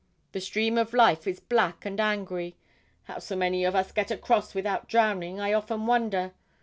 The stream of life is black and angry; how so many of us get across without drowning, I often wonder.